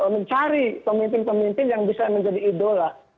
mencari pemimpin pemimpin yang bisa menjadi idola